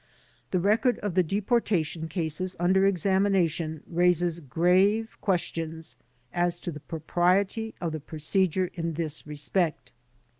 The record of the deportation cases under examination raises grave questions as to the propriety of the procedure in this respect.